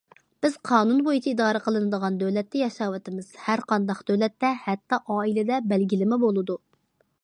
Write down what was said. بىز قانۇن بويىچە ئىدارە قىلىنىدىغان دۆلەتتە ياشاۋاتىمىز، ھەر قانداق دۆلەتتە، ھەتتا ئائىلىدە بەلگىلىمە بولىدۇ.